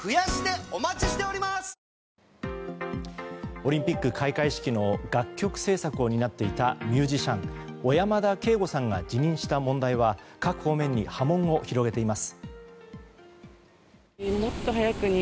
オリンピック開会式の楽曲制作を担っていたミュージシャン小山田圭吾さんが辞任した問題は各方面に波紋を広げています。